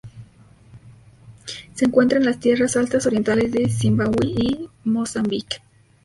Se encuentra en las tierra altas orientales de Zimbabwe y Mozambique.